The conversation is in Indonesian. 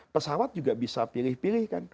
pesawat juga bisa pilih pilih kan